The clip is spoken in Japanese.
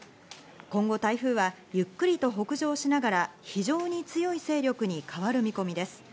今後、台風はゆっくりと北上しながら非常に強い勢力に変わる見込みです。